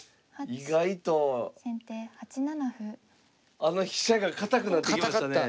あの飛車が堅くなってきましたね。